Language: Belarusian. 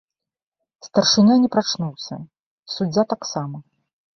Старшыня не прачнуўся, суддзя таксама.